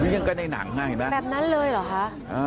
ยังใกล้ในหนังนะแบบนั้นเลยเหรอคะ